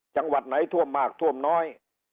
จังหวัดไหนท่วมมากท่วมน้อย